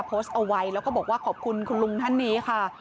โพสต์เอาไว้แล้วก็บอกว่าขอบคุณคุณลุงท่านนี้ค่ะ